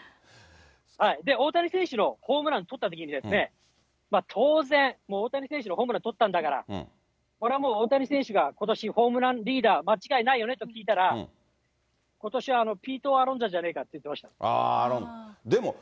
大谷選手のホームラン捕ったときにですね、当然、もう大谷選手のホームラン捕ったんだから、これはもう、大谷選手がことしホームランリーダー間違いないよねと聞いたら、ことしはピート・アロンザじゃないかと言ってました。